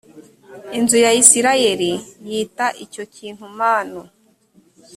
inzu ya isirayeli yita icyo kintu manu